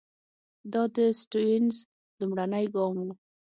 دا د سټیونز لومړنی ګام وو.